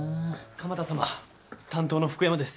鎌田様担当の福山です。